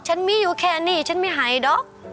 ฉันมีอยู่แค่นี้ฉันไม่หายหรอก